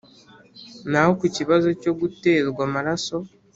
Naho ku kibazo cyo guterwa amaraso